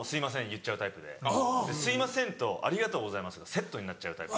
言っちゃうタイプで「すいません」と「ありがとうございます」がセットになっちゃうタイプ。